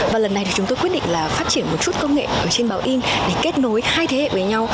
và lần này thì chúng tôi quyết định là phát triển một chút công nghệ trên báo in để kết nối hai thế hệ với nhau